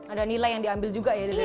ada nilai yang diambil juga ya dari filmnya